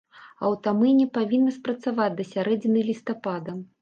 Аўтамыйня павінна спрацаваць да сярэдзіны лістапада.